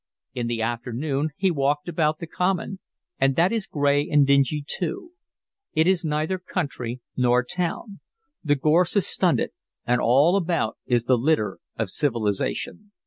In the afternoon he walked about the common; and that is gray and dingy too; it is neither country nor town; the gorse is stunted; and all about is the litter of civilisation.